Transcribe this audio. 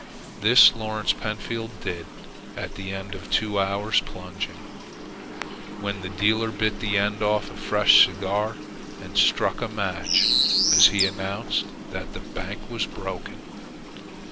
This Lawrence Pentfield did at the end of two hours' plunging, when the dealer bit the end off a fresh cigar and struck a match as he announced that the bank was broken.